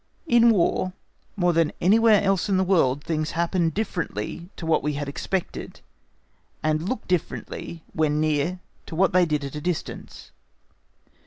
In War more than anywhere else in the world things happen differently to what we had expected, and look differently when near, to what they did at a distance.